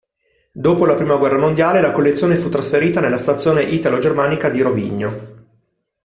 Dopo la prima guerra mondiale la collezione fu trasferita nella Stazione italo-germanica di Rovigno.